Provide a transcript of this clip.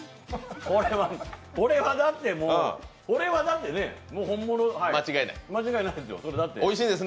これは、だってもう、これは本物、間違いないですよ。